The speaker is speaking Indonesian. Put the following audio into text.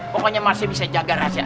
pokoknya masih bisa jaga rahasia